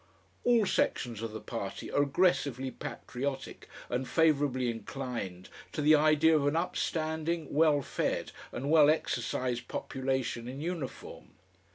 All sections of the party are aggressively patriotic and favourably inclined to the idea of an upstanding, well fed, and well exercised population in uniform.